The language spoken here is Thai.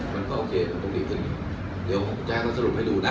มันก็โอเคมันต้องดีขึ้นเดี๋ยวผมแจ๊คก็สรุปให้ดูนะ